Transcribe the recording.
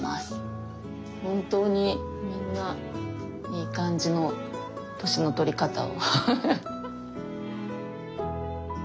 本当にみんないい感じの年の取り方をフフフ。